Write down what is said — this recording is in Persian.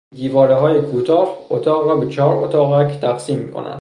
دیوارههای کوتاه اتاق را به چهار اتاقک تقسیم میکند.